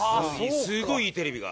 すごいいいテレビが。